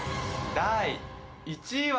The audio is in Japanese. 第１位は